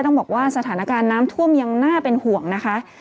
ต้องบอกว่าสถานการณ์น้ำท่วมยังน่าเป็นห่วงนะคะ